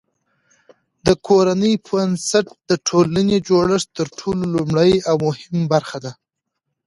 د کورنۍ بنسټ د ټولني د جوړښت تر ټولو لومړۍ او مهمه برخه ده.